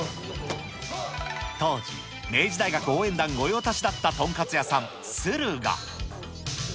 当時、明治大学応援団御用達だった豚カツ屋さん、駿河。